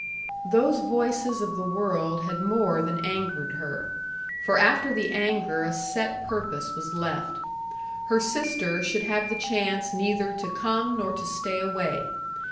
Those voices of the world had more than angered her; for after the anger a set purpose was left. Her sister should have the chance neither to come nor to stay away.